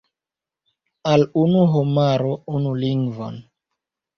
Al unu homaro unu lingvon.